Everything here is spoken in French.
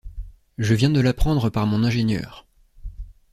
Je viens de l’apprendre par mon ingénieur...